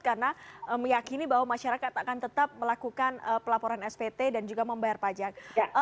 karena meyakini bahwa masyarakat akan tetap melakukan pelaporan spt dan juga membayar pajak